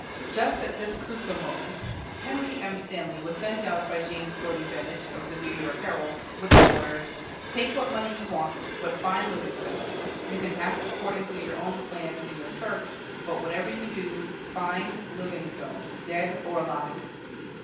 Just at this crucial moment Henry M. Stanley was sent out by James Gordon Bennett, of the New York Herald, with the order: "Take what money you want, but find Livingstone. You can act according to your own plans in your search, but whatever you do, find Livingstone dead or alive."